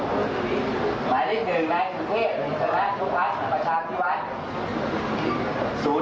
หมายเลือกคือแม่สุเทศชุมพัชประชาธิวัฒน์